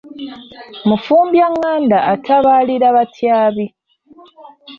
Mufumbyagganda atabalira batyabi.